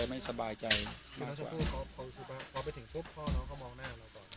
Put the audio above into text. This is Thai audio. วันนี้ก็จะเป็นสวัสดีครับ